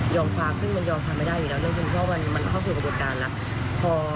ยอมฟ้าซึ่งมันยอมฟ้าไม่ได้อีกแล้วเนื่องจึงว่ามันเข้าคือเป็นปฏิบัติการแล้ว